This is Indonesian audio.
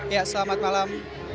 ya selamat malam